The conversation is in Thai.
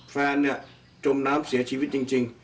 แฟนเนี่ยจมน้ำเสียชีวิตจริง